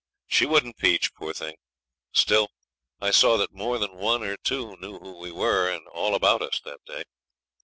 She wouldn't peach, poor thing! Still, I saw that more than one or two knew who we were and all about us that day.